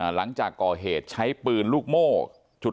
หลังจากก่อเหตุใช้ปืนลูกโม่จุด